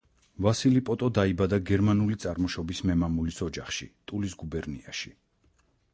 ვასილი პოტო დაიბადა გერმანული წარმოშობის მემამულის ოჯახში ტულის გუბერნიაში.